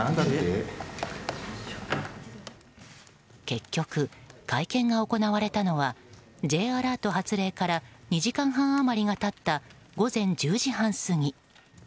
結局、会見が行われたのはＪアラート発令から２時間半余りが経った午前１０時半過ぎ。